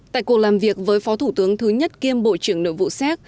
tại cuộc làm việc với phó thủ tướng thứ nhất kiêm bộ trưởng nội vụ séc